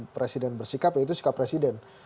presiden bersikap ya itu sikap presiden